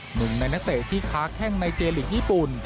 หนึ่งในนักเตะที่ค้าแข้งในเจลีกญี่ปุ่น